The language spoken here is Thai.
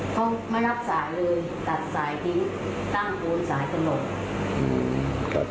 เขาไม่รับสายเลยตัดสายทิ้งตั้งโกนสายกำหนด